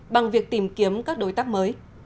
bằng việc tìm kiếm các đối tác mới